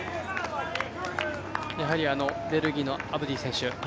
ベルギーのアブディ選手